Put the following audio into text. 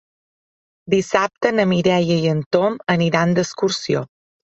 Dissabte na Mireia i en Tom aniran d'excursió.